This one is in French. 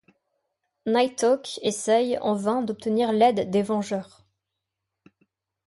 Nighthawk essaye, en vain, d'obtenir l'aide des Vengeurs.